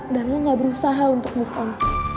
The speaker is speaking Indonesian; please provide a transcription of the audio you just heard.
dan lo ga berusaha untuk move on